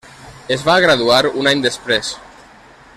Es va graduar un any després.